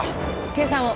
計算を！